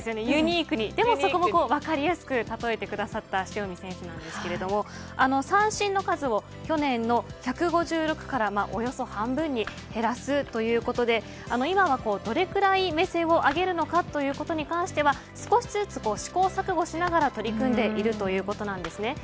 ユニークに、でも分かりやすく例えてくださった塩見選手なんですけれど三振の数を去年の１５６からおよそ半分に減らすということで今はどれぐらい目線を上げるのかということに関しては少しずつ試行錯誤しながら取り組んでいるということなんです。